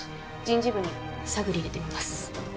人事部に探り入れてみます。